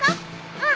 うん。